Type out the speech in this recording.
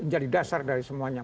jadi dasar dari semuanya